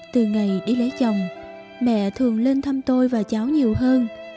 từ ngày đi lấy chồng mẹ thường lên thăm tôi và cháu nhiều hơn